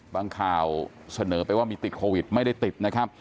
ข่าวเสนอไปว่ามีติดโควิดไม่ได้ติดนะครับ